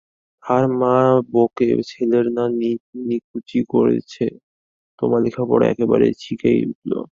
তাহার মা বকে-ছেলের না নিকুচি করেচে-তোমার লেখাপড়া একেবারে ছিকেয় উঠলো?